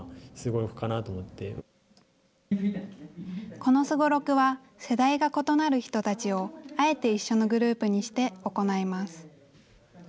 このすごろくは世代が異なる人たちを、あえて一緒のグループにして行います。